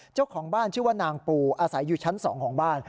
เจ้าของบ้านชื่อว่านางปูอาศัยอยู่ชั้น๒ของบ้าน